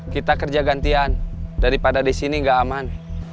kita kerja gantian daripada di sini nggak aman